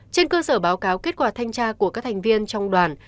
trên cơ sở báo cáo kết quả thanh tra của các thành viên trong đoàn